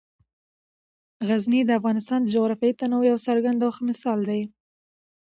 غزني د افغانستان د جغرافیوي تنوع یو څرګند او ښه مثال دی.